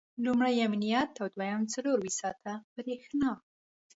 لومړی امنیت او دویم څلرویشت ساعته برېښنا.